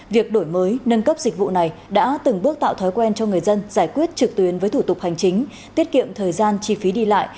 việc đổi mới nâng cấp dịch vụ này đã từng bước tạo thói quen cho người dân giải quyết trực tuyến với thủ tục hành chính tiết kiệm thời gian chi phí đi lại